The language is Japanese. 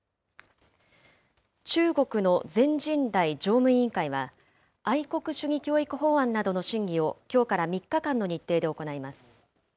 中国の全人代常務委員会は、愛国主義教育法案などの審議をきょうから３日間の日程で行います。